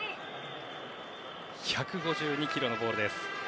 １５２キロのボールです。